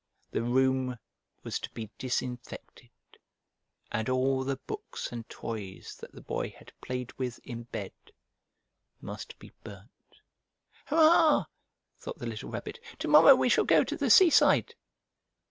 The room was to be disinfected, and all the books and toys that the Boy had played with in bed must be burnt. "Hurrah!" thought the little Rabbit. "To morrow we shall go to the seaside!"